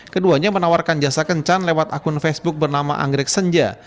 keduanya menawarkan jasa kencan lewat akun facebook bernama anggrek senja